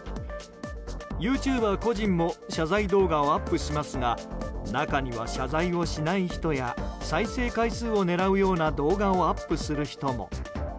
ユーチューバー個人も謝罪動画をアップしますが中には、謝罪をしない人や再生回数を狙うような動画をアップする人も。